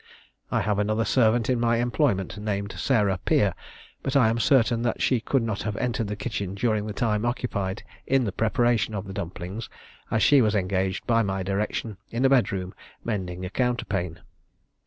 I have another servant in my employment named Sarah Peer, but I am certain that she could not have entered the kitchen during the time occupied in the preparation of the dumplings, as she was engaged by my direction in a bedroom mending a counterpane.